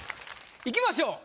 いきましょう。